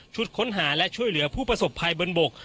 ค้นหาและช่วยเหลือผู้ประสบภัยบนบก